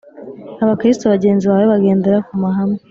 Abakristo bagenzi bawe bagendera ku mahame .